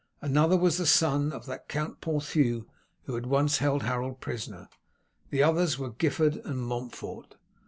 Another was the son of that Count of Ponthieu, who had once held Harold prisoner. The others were Gifford and Montfort.